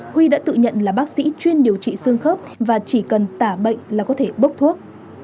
huy đã tự nhận là bác sĩ chuyên điều trị xương khớp và chỉ cần tả bệnh là có thể bốc thuốc